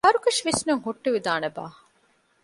ހަރުކަށި ވިސްނުން ހުއްޓުވިދާނެބާ؟